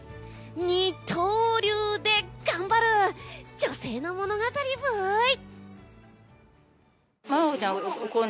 二刀流で頑張る女性の物語ブイ！